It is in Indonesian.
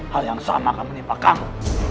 hal yang sama akan menimpa kamu